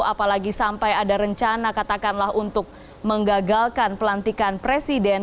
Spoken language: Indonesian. apalagi sampai ada rencana katakanlah untuk menggagalkan pelantikan presiden